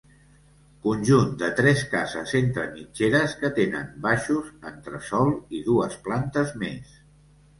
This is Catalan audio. Conjunt de tres cases entre mitgeres, que tenen baixos, entresòl i dues plantes més.